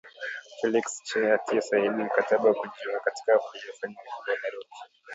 Felix Tchisekedi alitia saini mkataba wa kujiunga katika hafla iliyofanyika Ikulu ya Nairobi